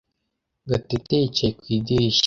Gatete yicaye ku idirishya.